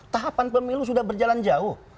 tahapan pemilu sudah berjalan jauh